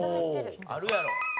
あるやろ。